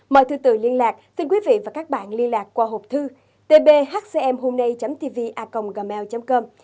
mời thư tử liên lạc xin quý vị và các bạn liên lạc qua hộp thư tbhcmhômnay tvacomgmail com